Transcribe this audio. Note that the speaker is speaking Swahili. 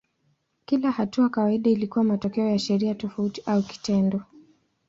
Kila hatua kawaida ilikuwa matokeo ya sheria tofauti au kitendo.